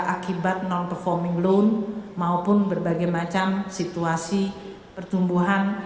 akibat non performing loan maupun berbagai macam situasi pertumbuhan